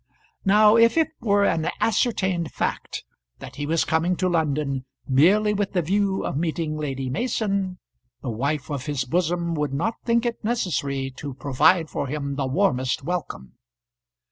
Now if it were an ascertained fact that he was coming to London merely with the view of meeting Lady Mason, the wife of his bosom would not think it necessary to provide for him the warmest welcome.